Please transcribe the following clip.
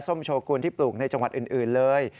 โชกุลที่ปลูกในจังหวัดอื่นเลย